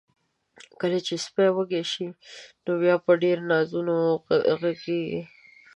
کله چې سپی وږي شي، نو بیا په ډیرو نازونو غږیږي.